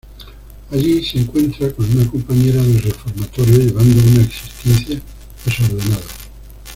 Allí se encuentra con una compañera del reformatorio, llevando una existencia desordenada.